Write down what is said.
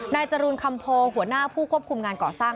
จรูนคำโพหัวหน้าผู้ควบคุมงานก่อสร้าง